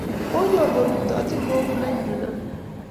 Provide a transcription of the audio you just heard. Konyor korutochi kogo nenyi amut.